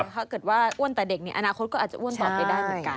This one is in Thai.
ถ้าเกิดว่าอ้วนแต่เด็กอนาคตก็อาจจะอ้วนต่อไปได้เหมือนกัน